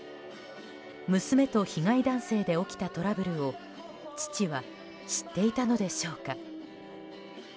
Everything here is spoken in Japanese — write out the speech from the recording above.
娘と被害男性で起きたトラブルを父は知っていたのでしょうか。